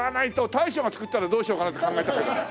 大将が作ったらどうしようかなって考えたけど。